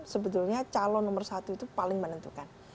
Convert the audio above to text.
sebetulnya calon nomor satu itu paling menentukan